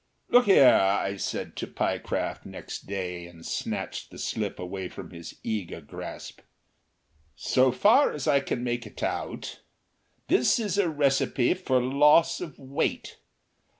"Look here," said I to Pyecraft next day, and snatched the slip away from his eager grasp. "So far as I can make it out, this is a recipe for Loss of Weight.